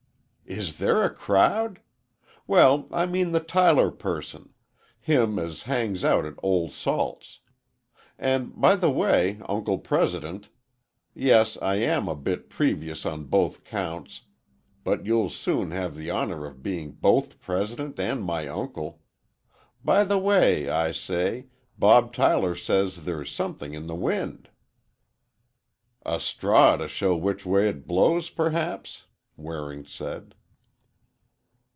"Is there a crowd? Well, I mean the Tyler person. Him as hangs out at Old Salt's. And, by the way, Uncle President,—yes, I am a bit previous on both counts, but you'll soon have the honor of being both President and my uncle,—by the way, I say, Bob Tyler says there's something in the wind." "A straw to show which way it blows, perhaps," Waring said.